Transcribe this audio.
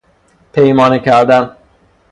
پیمانه کردن